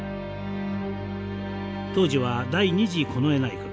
当時は第２次近衛内閣。